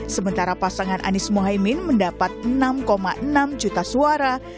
sementara pasangan anies mohaimin mendapat enam enam juta suara